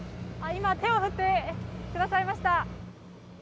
今、手を振ってくださいました。